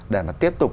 để mà tiếp tục